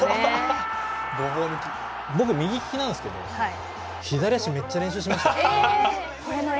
僕、右利きなんですけど左足をめっちゃ練習しました。